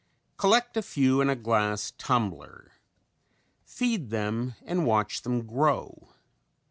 Collect a few in a glass tumbler. Feed them and watch them grow.